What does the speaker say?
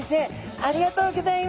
ありがとうございます。